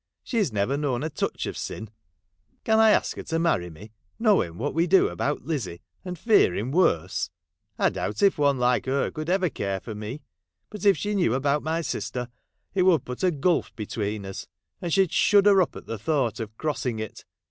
She 's never known a touch of sin ; and can I ask her to marry me, knowing what we do about Lizzie, and fearing worse ! I doubt if one like her could ever care for me ; but if she knew about my sister, it would put a gulf between us, and she 'd shudder up at the thought of crossing it.